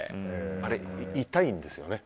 あれ、痛いんですよね